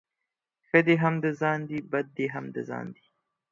ښه دي هم د ځان دي ، بد دي هم د ځآن.